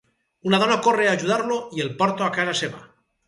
Una dona corre a ajudar-lo i el porta a casa seva.